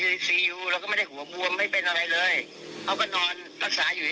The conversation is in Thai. เขาก็นอนรักษาอยู่เฉยผมเข้าไปเยี่ยมเขามาตั้งแต่วันแรกที่เขาเข้าโรงพยาบาลนะฮะ